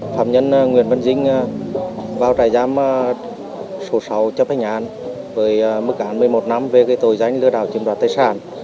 phạm nhân nguyễn văn dinh vào trại giam số sáu cho bách nhãn với mức án một mươi một năm về tội doanh lừa đảo chìm đoạt tài sản